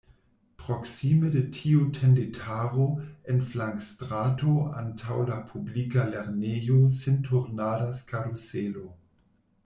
Proksime de tiu tendetaro, en flankstrato antaŭ la publika lernejo sin turnadas karuselo.